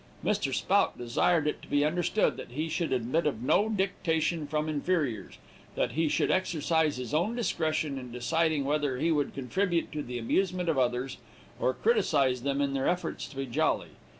Mr. Spout desired it to be understood that he should admit of no dictation from inferiors; that he should exercise his own discretion in deciding whether he would contribute to the amusement of others, or criticise them in their efforts to be jolly.